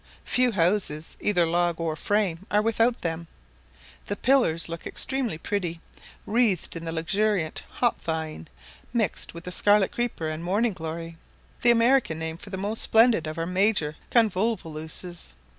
Few houses, either log or frame, are without them. The pillars look extremely pretty, wreathed with the luxuriant hop vine, mixed with the scarlet creeper and "morning glory," the American name for the most splendid of major convolvuluses.